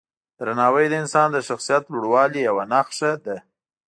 درناوی د انسان د شخصیت لوړوالي یوه نښه ده.